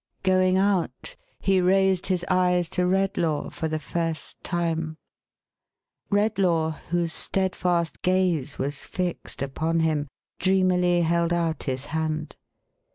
Going out, he raised his eyes to Redlaw for the first time. Redlaw, whose steadfast gaze was fixed upon him, dreamily held out his hand.